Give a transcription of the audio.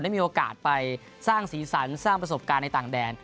มีโอกาสไปสร้างสีสันสร้างประสบการณ์ในต่างแดน